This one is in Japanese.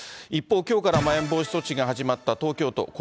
一方、きょうからまん延防止措置が始まった東京都。